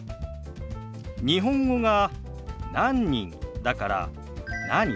日本語が「何人」だから「何？」